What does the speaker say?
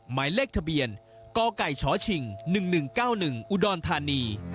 หมายเลขทะเบียนกไก่ชชิง๑๑๙๑อุดรธานี